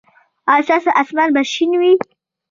ایا ستاسو اسمان به شین وي؟